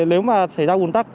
nếu mà xảy ra ủn tắc